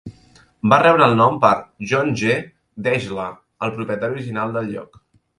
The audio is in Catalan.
Va rebre el nom per John G. Deshler, el propietari original del lloc.